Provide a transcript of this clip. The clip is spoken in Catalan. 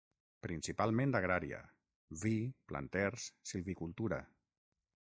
Principalment agrària: vi, planters, silvicultura.